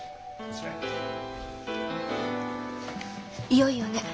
いよいよね。